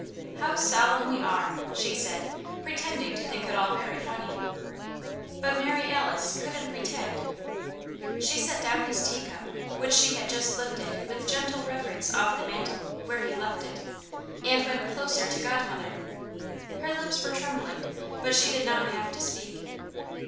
"How solemn we are!" she said, pretending to think it all very funny. But Mary Alice couldn't pretend. She set down his teacup which she had just lifted with gentle reverence off the mantel, where he left it, and went closer to Godmother. Her lips were trembling, but she did not have to speak.